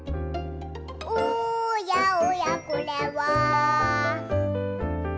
「おやおやこれは」